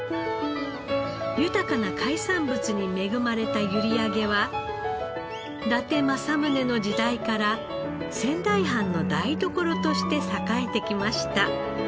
豊かな海産物に恵まれた閖上は伊達政宗の時代から仙台藩の台所として栄えてきました。